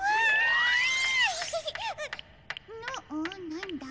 なんだ？